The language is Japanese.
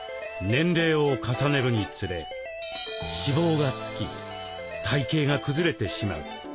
年齢を重ねるにつれ脂肪がつき体形がくずれてしまう。